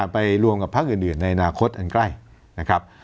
ไปรวมกับพักอื่นในอนาคตอันใกล้นะครับ